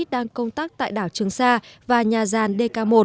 đang công tác tại đảo trường sa và nhà gian dk một